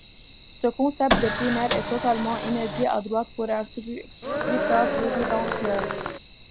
Ce concept de primaire est totalement inédit à droite pour un scrutin présidentiel.